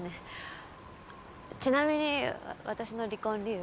ちなみに私の離婚理由は。